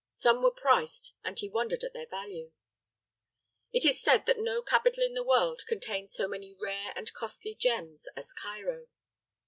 Some were priced, and he wondered at their value. It is said that no capital in the world contains so many rare and costly gems as Cairo.